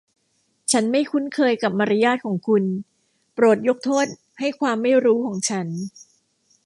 ฉันไม่คุ้นเคยกับมารยาทของคุณ โปรดยกโทษให้ความไม่รู้ของฉัน